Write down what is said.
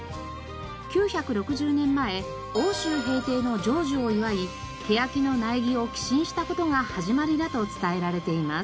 ９６０年前奥州平定の成就を祝いケヤキの苗木を寄進した事が始まりだと伝えられています。